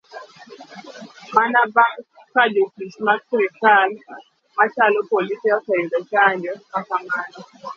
Mana bang kajotich mag sirikal machalo polise oseyudo chanjo makamano.